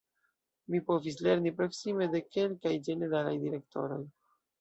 Mi povis lerni de proksime de kelkaj ĝeneralaj direktoroj.